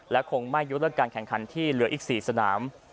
และคงไม่ยกเลิกการแข่งขันที่เหลืออีก๔สนาม